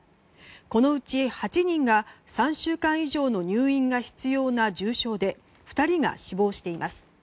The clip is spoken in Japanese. このうち８人が３週間以上の入院が必要な重症で２人が死亡しています。